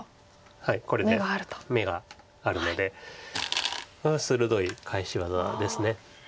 これで眼があるのでこれは鋭い返し技です。